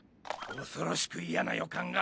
恐ろしく嫌な予感が。